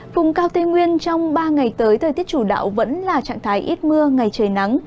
vùng cao tây nguyên trong ba ngày tới thời tiết chủ đạo vẫn là trạng thái ít mưa ngày trời nắng